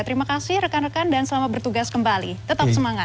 terima kasih rekan rekan dan selamat bertugas kembali tetap semangat